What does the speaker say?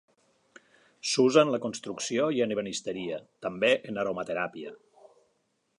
S'usa en la construcció i en ebenisteria també en aromateràpia.